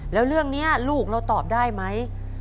แล้วเรื่องนี้ลูกเราตอบได้ไหม